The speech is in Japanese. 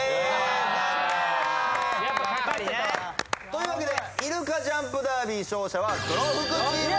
というわけでイルカジャンプダービー勝者は黒服チーム。